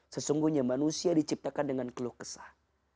sesungguhnya manusia diciptakan dengan keluh kesah